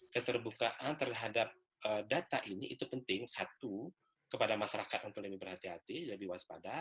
keterbukaan terhadap data ini itu penting satu kepada masyarakat untuk lebih berhati hati lebih waspada